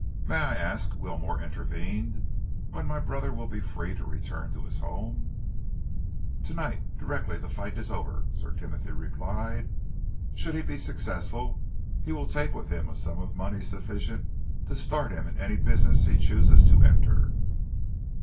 "May I ask," Wilmore intervened, "when my brother will be free to return to his home?" "To night, directly the fight is over," Sir Timothy replied. "Should he be successful, he will take with him a sum of money sufficient to start him in any business he chooses to enter."